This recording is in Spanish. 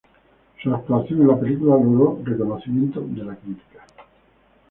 Su actuación en la película logró reconocimiento de la crítica.